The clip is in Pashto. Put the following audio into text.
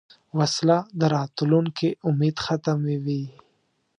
وسله د راتلونکې امید ختموي